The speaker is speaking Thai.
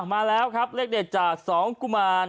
มาแล้วครับเลขเด็ดจาก๒กุมาร